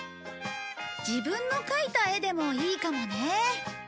自分の描いた絵でもいいかもね。